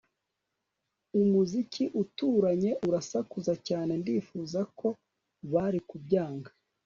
Umuziki uturanye urasakuza cyane Ndifuza ko bari kubyanga